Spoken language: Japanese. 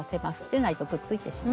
でないとくっついてしまいます。